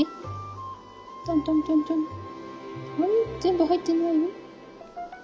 全部入ってないよ。